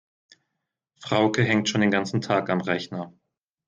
Frauke hängt schon den ganzen Tag am Rechner.